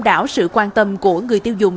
và có sự quan tâm của người tiêu dùng